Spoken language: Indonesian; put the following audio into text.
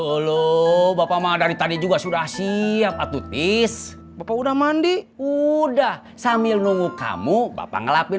halo bapak mah dari tadi juga sudah siap atutis bapak udah mandi udah sambil nunggu kamu bapak ngelapin